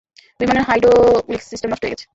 বিমানের hydraulics system নষ্ট হয়ে গেছে।